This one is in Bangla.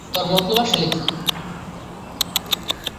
তোর মতলব আসলে কী?